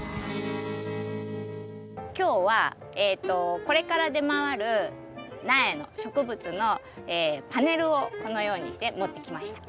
今日はえとこれから出回る苗の植物のパネルをこのようにして持ってきました。